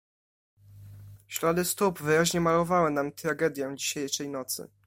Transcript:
"Ślady stóp wyraźnie malowały nam tragedię dzisiejszej nocy."